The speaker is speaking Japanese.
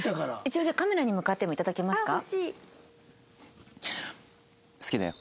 一応じゃあカメラに向かっても頂けますか。